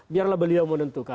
biarlah beliau menentukan